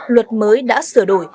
luật mới đã sửa đổi